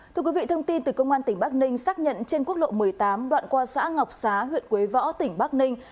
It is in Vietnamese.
thưa quý vị thông tin từ công an tỉnh bắc ninh xác nhận trên quốc lộ một mươi tám đoạn qua xã ngọc xá huyện quế võ tỉnh bắc ninh